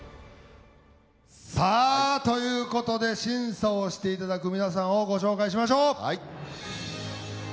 さあということで審査をしていただく皆さんをご紹介しましょう。